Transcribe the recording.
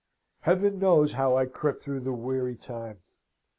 Heaven knows how I crept through the weary time!